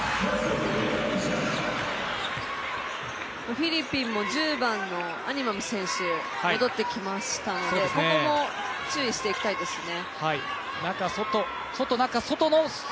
フィリピンも１０番のアニマム選手、戻ってきましたので、ここも注意していきたいですね。